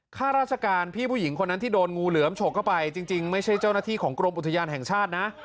ข้าราชการพี่ผู้หญิงคนนั้นที่โดนงูเหลือมฉกเข้าไปจริงไม่ใช่เจ้าหน้าที่ของกรมอุทยานแห่งชาตินะ